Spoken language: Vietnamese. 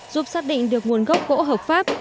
giúp xác định được nguồn gốc gỗ hợp pháp